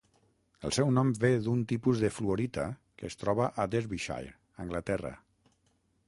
El seu nom ve d'un tipus de fluorita que es troba a Derbyshire, Anglaterra.